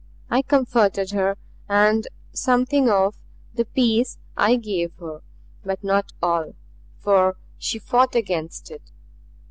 I comforted her, and something of the peace I gave her; but not all, for she fought against it.